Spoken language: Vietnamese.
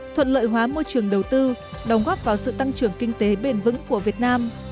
thuận lợi hóa môi trường đầu tư đóng góp vào sự tăng trưởng kinh tế bền vững của việt nam